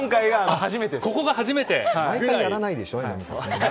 ここが初めて！